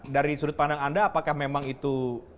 dari sudut pandang anda apakah memang itu